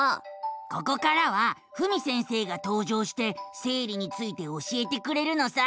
ここからはふみ先生がとう場して生理について教えてくれるのさ。